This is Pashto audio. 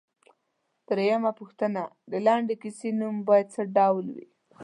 درېمه پوښتنه ـ د لنډې کیسې نوم باید څه ډول وي؟